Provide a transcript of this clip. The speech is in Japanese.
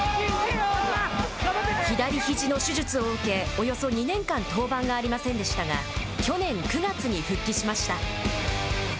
左ひじの手術を受け、およそ２年間、登板がありませんでしたが、去年９月に復帰しました。